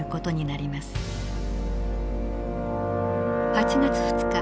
８月２日。